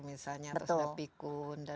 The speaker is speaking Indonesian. misalnya harus ada pikun dan munti